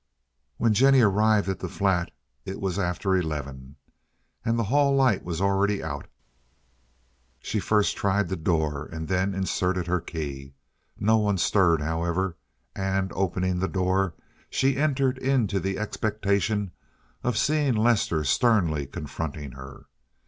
When Jennie arrived at the flat it was after eleven, and the hall light was already out. She first tried the door, and then inserted her key. No one stirred, however, and, opening the door, she entered in the expectation of seeing Lester sternly confronting her.